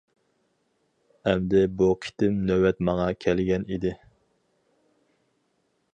ئەمدى بۇ قېتىم نۆۋەت ماڭا كەلگەن ئىدى.